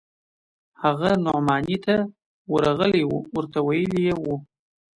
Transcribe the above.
هغه نعماني ته ورغلى و ورته ويلي يې و.